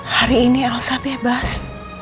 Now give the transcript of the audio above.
hari ini elsa bebas